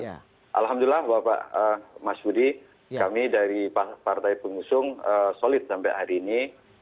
alhamdulillah bapak mas budi kami dari partai pengusung solid sampai hari ini